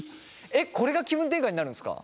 えっこれが気分転換になるんですか？